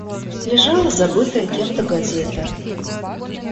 Лежала забытая кем-то газета.